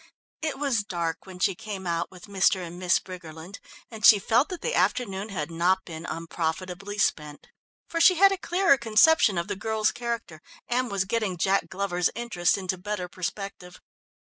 It was dark when she came out with Mr. and Miss Briggerland, and she felt that the afternoon had not been unprofitably spent. For she had a clearer conception of the girl's character, and was getting Jack Glover's interest into better perspective.